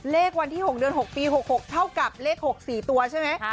เลขวันที่๖เดือน๖ปี๖๖เท่ากับเลข๖๔ตัวใช่ไหม